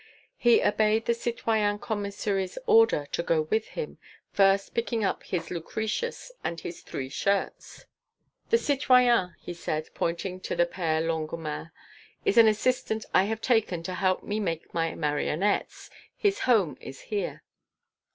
He obeyed the citoyen Commissary's order to go with him, first picking up his Lucretius and his three shirts. "The citoyen," he said, pointing to the Père Longuemare, "is an assistant I have taken to help me make my marionettes. His home is here."